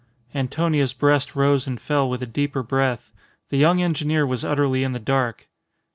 Antonia's breast rose and fell with a deeper breath. The young engineer was utterly in the dark.